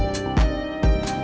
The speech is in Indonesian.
terima kasih bang